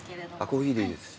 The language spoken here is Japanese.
コーヒーでいいです。